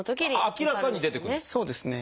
明らかに出てくるんですか？